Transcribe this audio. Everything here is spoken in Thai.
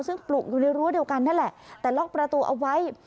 ซึ่งปลุกอยู่ในรั้วเดียวกันนั่นแหละแต่ล็อกประตูเอาไว้